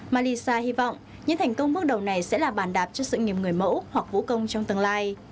malisa hy vọng những thành công bước đầu này sẽ là bàn đạp cho sự nghiệp người mẫu hoặc vũ công trong tương lai